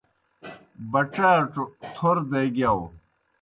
بڇاڇوْ تھور دے گِیاؤ۔